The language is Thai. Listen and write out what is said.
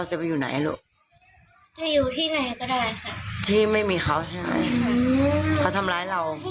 เคยคิดฆ่าตัวตาย